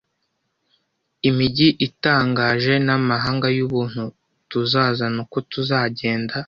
Imijyi itangaje namahanga yubuntu tuzazana uko tugenda.